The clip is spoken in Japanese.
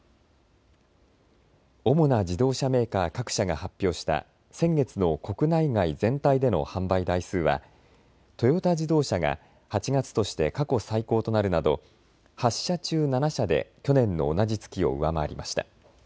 主な自動車メーカー各社が発表した先月の国内外全体での販売台数はトヨタ自動車が８月として過去最高となるなど８社中７社で去年の同じ月を上回りました。